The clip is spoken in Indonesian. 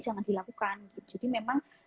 jangan dilakukan jadi memang